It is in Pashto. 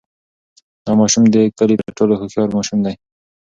دا ماشوم د کلي تر ټولو هوښیار ماشوم دی.